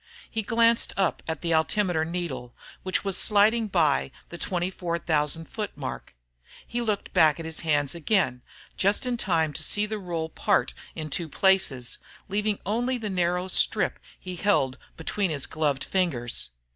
He glanced up at the altimeter needle, which was sliding by the 24,000 foot mark. He looked back at his hands again, just in time to see the roll part in two places, leaving only the narrow strip he held between his gloved fingers.